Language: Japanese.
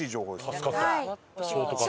助かった。